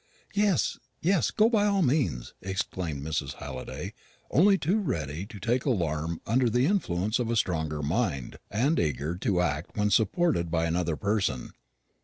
"Yes, yes; go by all means," exclaimed Mrs. Halliday, only too ready to take alarm under the influence of a stronger mind, and eager to act when supported by another person.